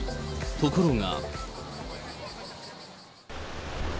ところが。